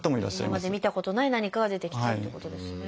今まで見たことない何かが出てきたってことですね。